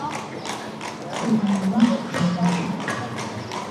布万龙属地区。